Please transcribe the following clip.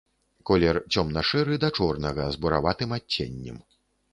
Колер цёмна-шэры да чорнага з бураватым адценнем.